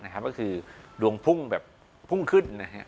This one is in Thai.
ก็คือดวงพุ่งแบบพุ่งขึ้นนะฮะ